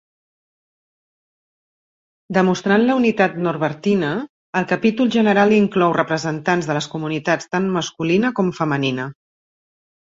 Demostrant la unitat norbertina, el Capítol general inclou representants de les comunitats tant masculina com femenina.